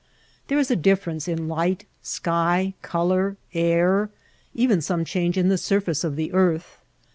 There is a difference in light, sky, color, air ; even some change in the surface of the earth.